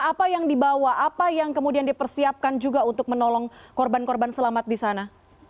apa yang dibawa apa yang kemudian dipersiapkan juga untuk menolong korban korban selamat di sana